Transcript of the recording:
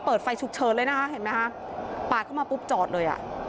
เปิดไฟฉุกเฉินเลยนะคะเห็นไหมคะปาดเข้ามาปุ๊บจอดเลยอ่ะ